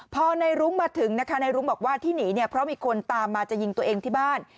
พอในรุ้งมาถึงนะคะในรุ้งบอกว่าที่หนีเนี่ยเพราะมีคนตามมาจะยิงตัวเองที่บ้าน